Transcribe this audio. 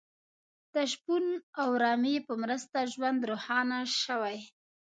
د شپون او رمې په مرسته ژوند روښانه شوی.